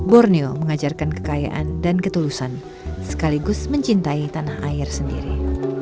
borneo mengajarkan kekayaan dan ketulusan sekaligus mencintai tanah air sendiri